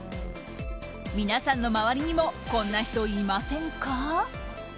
皆さんの周りにもこんな人いませんか？